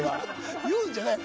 言うんじゃないよ。